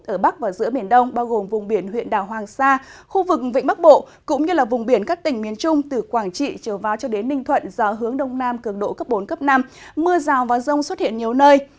ở bắc và giữa biển đông bao gồm vùng biển huyện đảo hoàng sa khu vực vĩnh bắc bộ cũng như vùng biển các tỉnh miền trung từ quảng trị trở vào cho đến ninh thuận do hướng đông nam cường độ cấp bốn cấp năm mưa rào và rông xuất hiện nhiều nơi